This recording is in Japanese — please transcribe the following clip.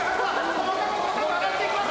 細かく細かく上がっていきます！